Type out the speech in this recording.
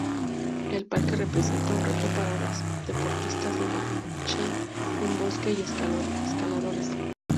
El parque representa un reto para deportistas de marcha en bosque y escaladores.